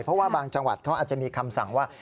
เพราะว่าบางจังหวัดเขาอาจจะมีคำสั่งว่า